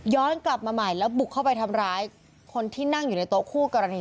กลับมาใหม่แล้วบุกเข้าไปทำร้ายคนที่นั่งอยู่ในโต๊ะคู่กรณี